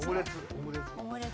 オムレツ。